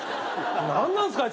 何なんすか！？